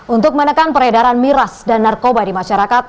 untuk menekan peredaran miras dan narkoba di masyarakat